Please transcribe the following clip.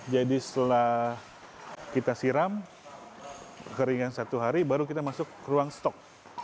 jadi setelah kita siram keringin satu hari baru kita masuk ke ruang stok